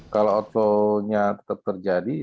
kalau outflow nya tetap terjadi